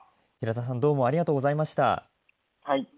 平田さんどうもありがとうございました。